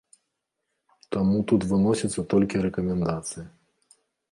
Таму тут выносіцца толькі рэкамендацыя.